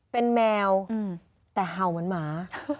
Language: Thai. เป็นแมวแต่เห่าเหมือนหมา